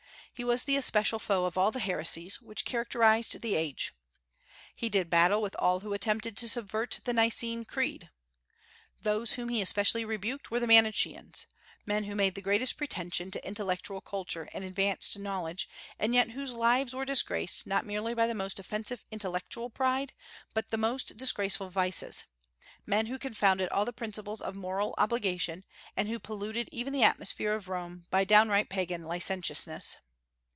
He was the especial foe of all the heresies which characterized the age. He did battle with all who attempted to subvert the Nicene Creed. Those whom he especially rebuked were the Manicheans, men who made the greatest pretension to intellectual culture and advanced knowledge, and yet whose lives were disgraced not merely by the most offensive intellectual pride, but the most disgraceful vices; men who confounded all the principles of moral obligation, and who polluted even the atmosphere of Rome by downright Pagan licentiousness.